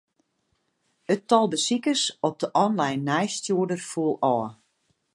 It tal besikers op de online nijsstjoerder foel ôf.